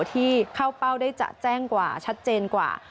ที่เข้าเป้าได้จะแจ้งกว่าชัดเจนกว่า